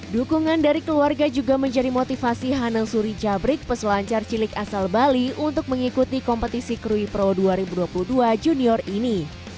dukungan dari keluarga juga menjadi motivasi hanang suri jabrik peselancar cilik asal bali untuk mengikuti kompetisi krui pro dua ribu dua puluh dua junior ini